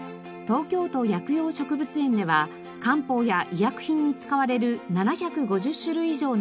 東京都薬用植物園では漢方や医薬品に使われる７５０種類以上の植物を栽培。